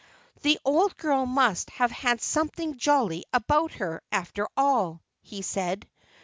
"The old girl must have had something jolly about her, after all," he said.